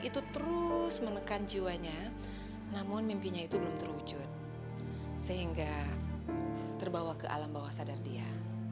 itu terus menekan jiwanya namun mimpinya itu belum terwujud sehingga terbawa ke alam bawah sadar dia